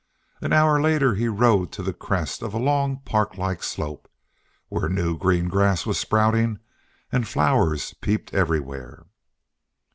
An hour later he rode to the crest of a long parklike slope, where new green grass was sprouting and flowers peeped everywhere.